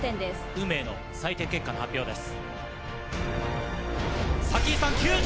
運命の採点結果の発表です。